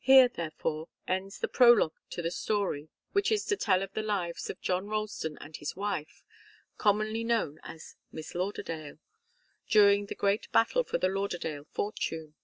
Here, therefore, ends the prologue to the story which is to tell of the lives of John Ralston and his wife, commonly known as Miss Lauderdale, during the great battle for the Lauderdale fortune.